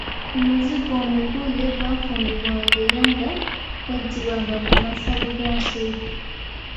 Omuzigo omuguye gwafumbibwanga era nga gwaggyibwanga mu masavu ga nsolo.